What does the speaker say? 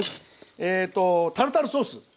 えとタルタルソース。